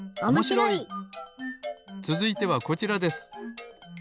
つづいてはこちらです。